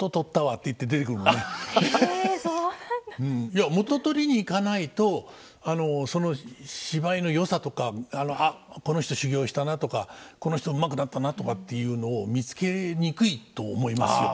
いや元取りに行かないとその芝居のよさとか「あっこの人修業したな」とか「この人うまくなったな」とかっていうのを見つけにくいと思いますよ。